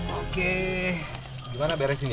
oke gimana beresinnya